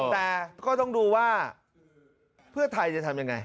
แต่ก็ต้องดูว่าเพื่อไทยจะทำยังไง